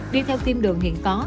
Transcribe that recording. đi theo tiêm đường hiện có